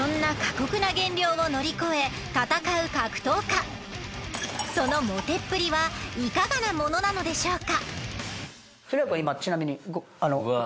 そんなそのモテっぷりはいかがなものなのでしょうか？